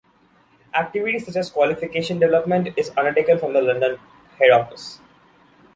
Activity such as qualification development is undertaken from the London head office.